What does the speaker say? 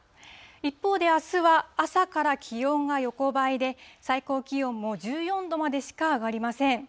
一方であすは、朝から気温は横ばいで、最高気温も１４度までしか上がりません。